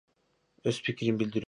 Өз пикирин билдирүүгө укуктуу.